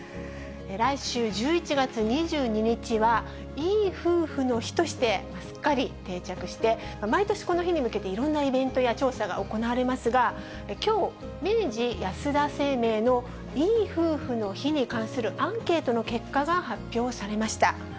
来週１１月２２日は、いい夫婦の日として、すっかり定着して、毎年この日に向けて、いろんなイベントや行われますが、きょう、明治安田生命のいい夫婦の日に関するアンケートの結果が発表されました。